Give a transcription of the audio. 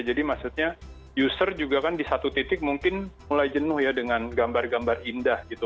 jadi maksudnya user juga kan di satu titik mungkin mulai jenuh ya dengan gambar gambar indah gitu